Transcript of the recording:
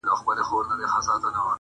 زما تر ټولو امیرانو معتبره-